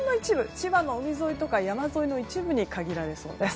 千葉の海沿いとか山沿いに限られそうです。